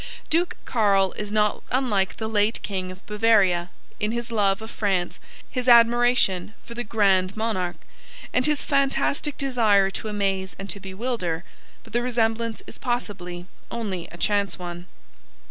Duke Carl is not unlike the late King of Bavaria, in his love of France, his admiration for the Grand Monarque and his fantastic desire to amaze and to bewilder, but the resemblance is possibly only a chance one.